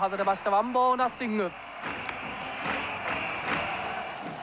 ワンボールナッシング。